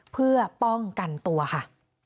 เพื่อป้องกันตัวค่ะ